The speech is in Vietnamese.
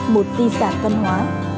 một di sản văn hóa